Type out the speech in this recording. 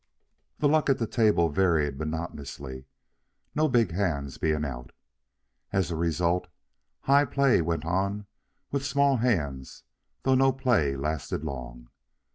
The luck at the table varied monotonously, no big hands being out. As a result, high play went on with small hands though no play lasted long.